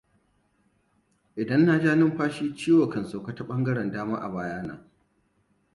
Idan na ja numfashi sosai, ciwo kan sauka ta bangaren dama a bayana.